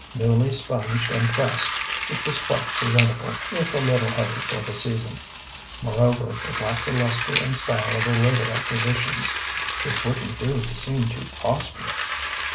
Newly sponged and pressed, it was quite presentable, if a little heavy for the season; moreover, it lacked the lustre and style of her later acquisitions. It wouldn't do to seem too prosperous....